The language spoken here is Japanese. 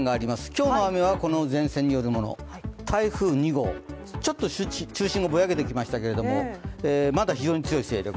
今日の雨はこの前線によるもの、台風２号ちょっと中心がぼやけてきましたけれどもまだ非常に強い勢力。